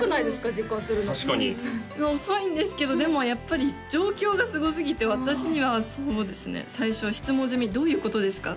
実感するの遅いんですけどでもやっぱり状況がすごすぎて私にはそうですね最初は質問攻めに「どういうことですか？」